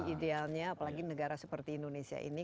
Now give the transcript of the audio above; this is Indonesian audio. idealnya apalagi negara seperti indonesia ini